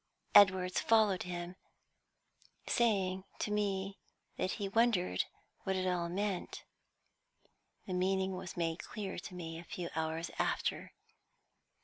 Edwards followed him, saying to me that he wondered what it all meant. The meaning was made clear to me a few hours after.